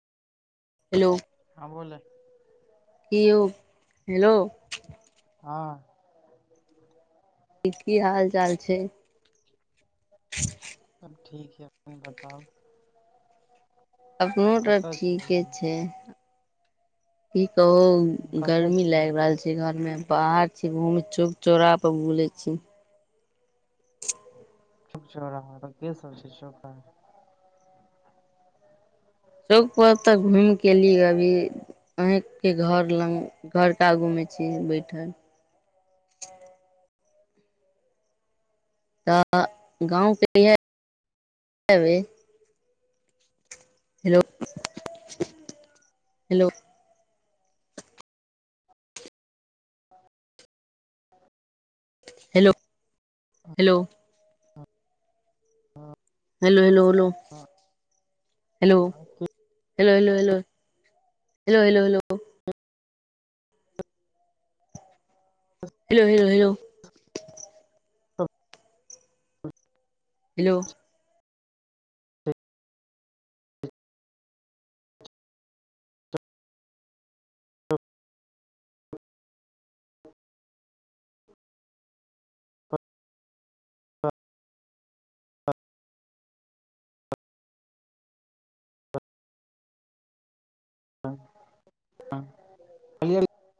Hello हँ बोल की यौ हेलो हँ की हाल चाल छै सब ठीक है अपन बताउ। अपनो त कतऽ छी ठीके अभी छै की कहू कतऽ गर्मी छी लैग अभी रहल छै घर मे बाहर छी घूमे चौराहा पर घुमे छी चोक चोराहा पर केसब छै चौक पर तऽ घूम के एलियै अभी अही के घर लग घरके आगूमे छी बैठल तऽ गाँवके इएहबै हेलो हेलो हेलो हेलो हां hello hello hello hello hello hello hello hello hello hello hello hello hello हँ हँ [inaudible] हेलो हँ हँ